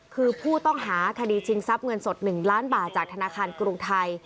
คือผู้ต้องหาคดีชิงทรัพย์เงินสด๑ล้านบาทจากธนาคารกรุงไทย